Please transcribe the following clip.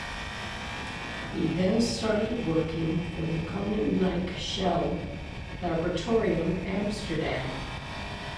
He then started working for the Koninklijke Shell Laboratorium Amsterdam.